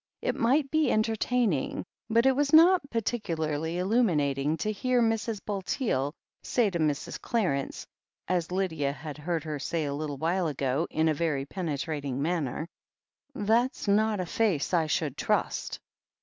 It might be entertaining, but it was not particularly illimiinating to hear Mrs. Bulteel say to Mrs. Clarence, as Lydia had heard her say a little while ago, in a very penetrating manner : "That's not a face I should trust."